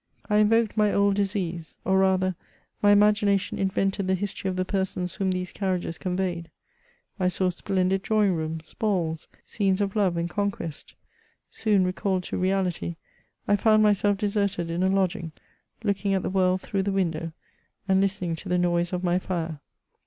I invoked my old disease, or rather my imaginli tion invented the history of the persons whom these carriages conveyed ; I saw splendid drawing*rooms, balls, scenes of love and conquest. Soon recalled to reafity, I found myself deserted in a lodging, looking at the world through the window, and listening to the noise of my fire.